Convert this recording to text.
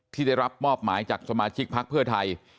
ที่ได้รับมอบหมายจากสมาชิกพักเพื่อไทย